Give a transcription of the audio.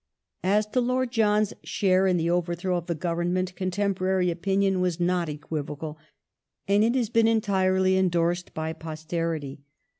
As to I^ord John's share in the overthrow of the Government contemporary opinion was not equivocal, and it has been entirely endorsed by posterity.